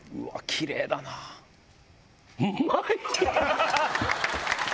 きれいだなぁうまい！